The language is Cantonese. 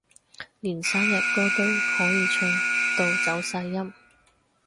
連生日歌都可以唱到走晒音